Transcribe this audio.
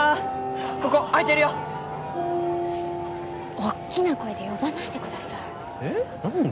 ここ空いてるよおっきな声で呼ばないでくださいえ何で？